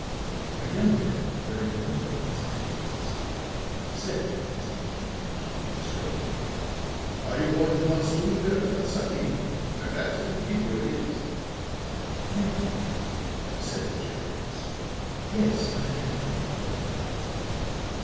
A young man, wearing a number of Austrian orders, said, as he was being helped on with his coat: "Are you going on to Von Stunnenberg's, Matsadi? Perhaps I could give you a lift." "Thank you," said the Japanese. "Yes, I had thought of going."